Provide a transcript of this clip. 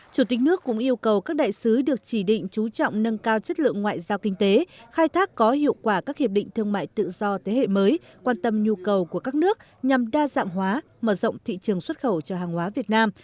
chủ tịch nước cũng yêu cầu các đại sứ được chỉ định chú trọng nâng cao chất lượng ngoại giao kinh tế khai thác có hiệu quả các hiệp định thương mại tự do thế hệ mới quan tâm nhu cầu của các nước nhằm đa dạng hóa mở rộng thị trường xuất khẩu cho hàng hóa việt nam